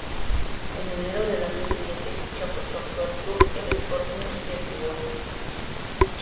En enero del año siguiente ficha por su actual club, el Sporting de Lisboa.